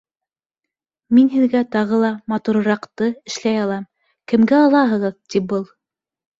«Мин һеҙгә тағы ла матурыраҡты эшләй алам, кемгә алаһығыҙ?» ти был.